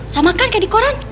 sama kan kayak di koran